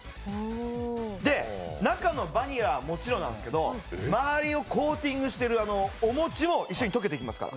で、中のバニラはもちろんなんですけど、周りをコーティングしてるお餅が一緒に溶けていきますから。